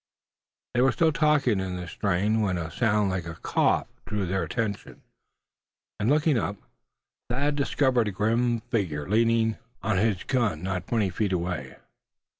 They were still talking in this strain when a sound like a cough drew their attention, and looking up, Thad discovered a grim figure leaning on his gun not twenty feet away.